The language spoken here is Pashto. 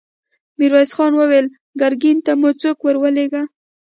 ميرويس خان وويل: ګرګين ته مو څوک ور ولېږه؟